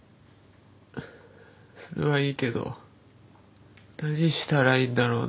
それはいいけど何したらいいんだろうな